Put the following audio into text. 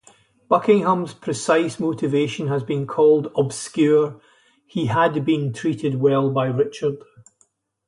Buckingham's precise motivation has been called "obscure"; he had been treated well by Richard.